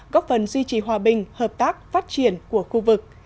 góp phần duy trì hòa bình hợp tác phát triển của khu vực